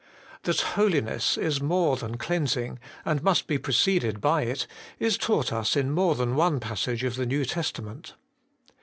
THAT holiness is more than cleansing, and must be preceded by it, is taught us in more than one passage of the New Testament.